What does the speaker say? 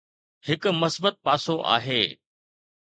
هڪ مثبت پاسو آهي.